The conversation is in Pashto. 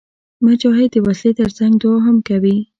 مجاهد د وسلې تر څنګ دعا هم کوي.